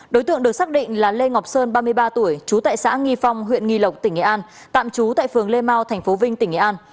đối tượng được xác định là lê ngọc sơn ba mươi ba tuổi trú tại xã nghi phong huyện nghi lộc tỉnh nghệ an tạm trú tại phường lê mau tp vinh tỉnh nghệ an